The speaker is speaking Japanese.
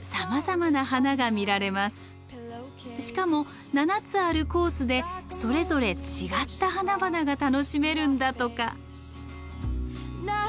しかも７つあるコースでそれぞれ違った花々が楽しめるんだとか。